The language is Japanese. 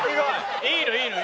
いいのいいの。